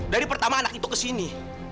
dari pertama anak itu kesini